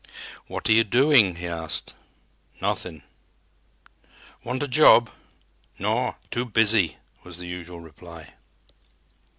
"What are you doing?" he asked. "Nawthin'." "Want a job?" "Naw, too busy," was the usual reply.